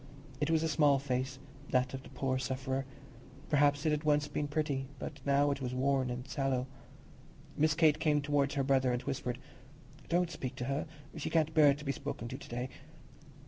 It was a small face, that of the poor sufferer; perhaps it had once been pretty, but now it was worn and sallow. Miss Kate came towards her brother and whispered, "Don't speak to her; she can't bear to be spoken to to day."